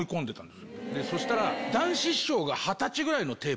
そしたら。